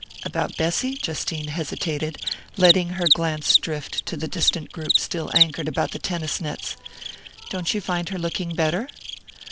"About Bessy?" Justine hesitated, letting her glance drift to the distant group still anchored about the tennis nets. "Don't you find her looking better?"